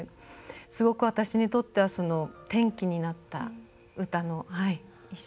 すごく私にとっては転機になった歌の一首ですね。